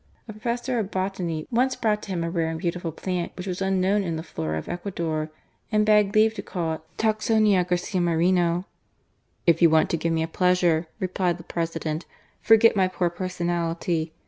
A professor of botany once brought to him a rare and beautiful plant which was unknown in the flora of Ecuador, and begged leave R GARCM MORENO. to call it Tacsonia Garcia Mnreno. " If you want to give me a pleasure," replied the President, " forget my poor personality.